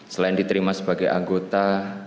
selain diterima sebagai anggota